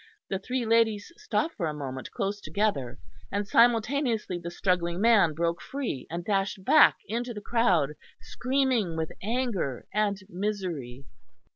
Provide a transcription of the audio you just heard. The three ladies stopped for a moment, close together; and simultaneously the struggling man broke free and dashed back into the crowd, screaming with anger and misery.